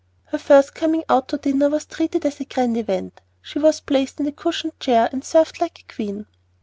Her first coming out to dinner was treated as a grand event. She was placed in a cushioned chair and served like a queen.